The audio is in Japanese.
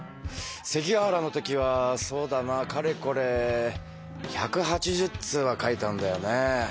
関ヶ原の時はそうだなかれこれ１８０通は書いたんだよね。